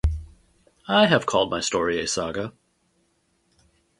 I have called my story a saga.